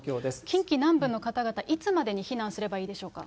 近畿南部の方々、いつまでに避難すればいいでしょうか。